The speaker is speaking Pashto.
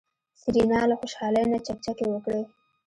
سېرېنا له خوشحالۍ نه چکچکې وکړې.